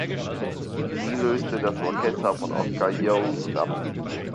Sie löste das Orchester von Oscar Joost ab.